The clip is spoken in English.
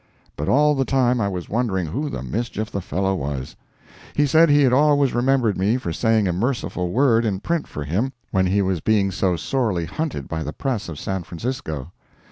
But all the time I was wondering who the mischief the fellow was. He said he had always remembered me for saying a merciful word in print for him when he was being so sorely hunted by the press of San Francisco.